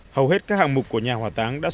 hầu hết các hạng mục của nhà hỏa táng